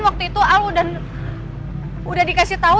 waktu itu al udah dikasih tau